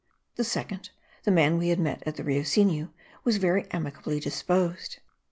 The second, the man we met at the Rio Sinu, was very amicably disposed.